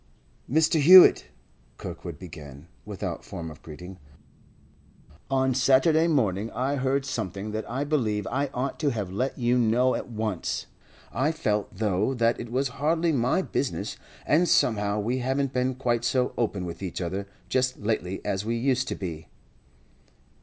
'Mr. Hewett,' Kirkwood began, without form of greeting, 'on Saturday morning I heard something that I believe I ought to have let you know at once. I felt, though, that it was hardly my business; and somehow we haven't been quite so open with each other just lately as we used to be.